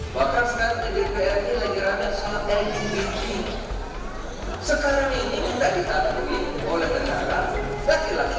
ya mungkin ya ditakut tapi yang sudah kejadian nanti tiba tiba kita ketahuan